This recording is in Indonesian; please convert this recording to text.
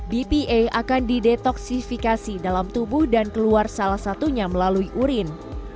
bpa akan didetoksifikasi dalam tubuh dan keluar salah satunya melalui urin